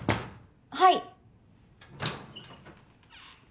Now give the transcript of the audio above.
はい。